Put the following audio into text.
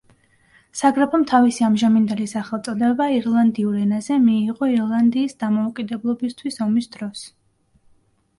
საგრაფომ თავისი ამჟამინდელი სახელწოდება ირლანდიურ ენაზე მიიღო ირლანდიის დამოუკიდებლობისთვის ომის დროს.